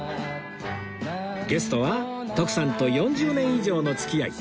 ゲストは徳さんと４０年以上の付き合い